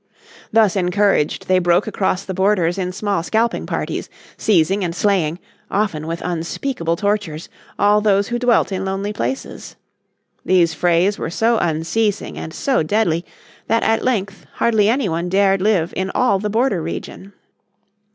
Thus encouraged they broke across the borders in small scalping parties, seizing and slaying, often with unspeakable tortures, all those who dwelt in lonely places. These frays were so unceasing, and so deadly, that at length hardly any one dared live in all the border region.